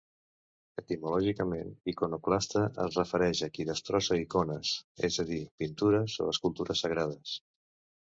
Etimològicament, iconoclasta es refereix a qui destrossa icones, és a dir, pintures o escultures sagrades.